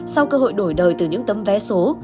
sau cơ hội đổi đời từ những tấm vé số